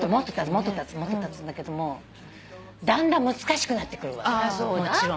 もっとたつんだけどもだんだん難しくなってくるわけもちろん。